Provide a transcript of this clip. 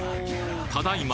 ただいま